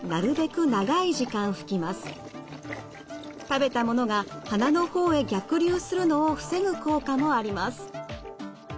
食べたものが鼻の方へ逆流するのを防ぐ効果もあります。